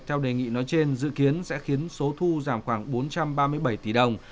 theo đề nghị nói trên dự kiến sẽ khiến số thu giảm khoảng bốn trăm ba mươi bảy tỷ đồng